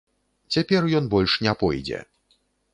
Цяпер ён больш не пойдзе!